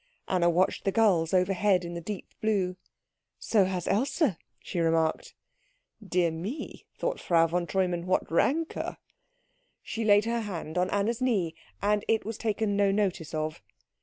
Anna watched the gulls overhead in the deep blue. "So has Else," she remarked. "Dear me," thought Frau von Treumann, "what rancour." She laid her hand on Anna's knee, and it was taken no notice of.